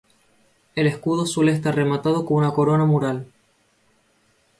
El escudo suele estar rematado con una corona mural.